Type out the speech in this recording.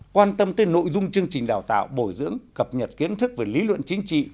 quan tâm tới nội dung chương trình đào tạo bồi dưỡng cập nhật kiến thức về lý luận chính trị